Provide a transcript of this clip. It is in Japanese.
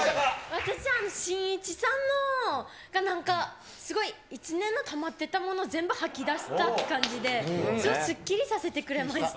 私、しんいちさんががなんか、すごい一年のたまってたもの、全部吐き出した感じで、すっきりさせてくれました。